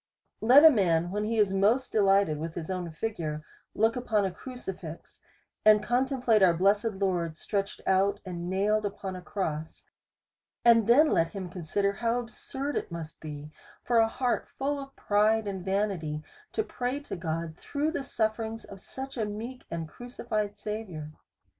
Let a man, when he is most delighted with his own figure, look upon a crucifix, and contemplate our blessed Lord stretched out, and nailed upon a cross ; and then let him consider, how absurd it must be, for a heart full of pride and vanity, to pray to God, through the sufferings of such a meek and crucified Saviour.